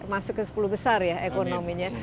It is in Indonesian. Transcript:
masuk ke sepuluh besar ya ekonominya